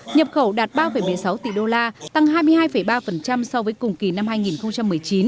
nhập khẩu đạt ba một mươi sáu tỷ đô la tăng hai mươi hai ba so với cùng kỳ năm hai nghìn một mươi chín